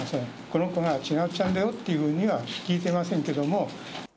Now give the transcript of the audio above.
この子がちなつちゃんだよっていうふうには聞いてませんけども。